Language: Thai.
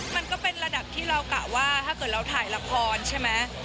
มันก็เป็นระดับที่เรากะว่าถ้าเกิดเราถ่ายละครใช่ไหม